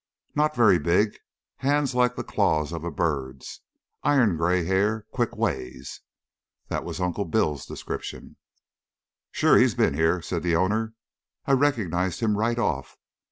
"Not very big; hands like the claws of a bird's; iron gray hair; quick ways." That was Uncle Bill's description. "Sure he's been here," said the owner. "I recognized him right off.